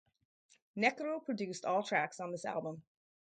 Necro produced all tracks on this album.